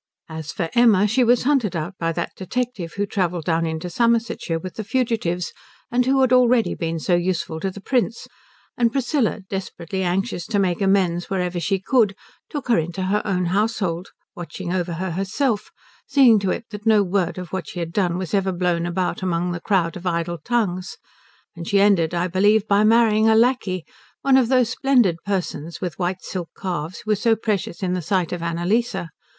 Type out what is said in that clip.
As for Emma, she was hunted out by that detective who travelled down into Somersetshire with the fugitives and who had already been so useful to the Prince; and Priscilla, desperately anxious to make amends wherever she could, took her into her own household, watching over her herself, seeing to it that no word of what she had done was ever blown about among the crowd of idle tongues, and she ended, I believe, by marrying a lacquey, one of those splendid persons with white silk calves who were so precious in the sight of Annalise.